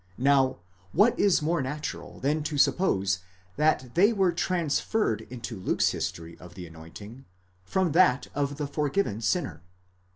Now, what is more natural than to suppose that they were transferred into Luke's history of the anointing, from that of the forgiven sinner?